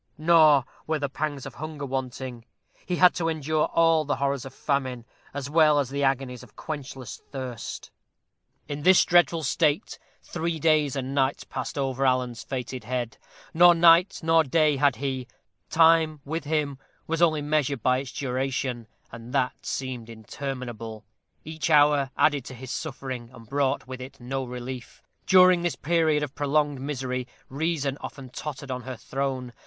Nor were the pangs of hunger wanting. He had to endure all the horrors of famine, as well as the agonies of quenchless thirst. In this dreadful state three days and nights passed over Alan's fated head. Nor night nor day had he. Time, with him, was only measured by its duration, and that seemed interminable. Each hour added to his suffering, and brought with it no relief. During this period of prolonged misery reason often tottered on her throne.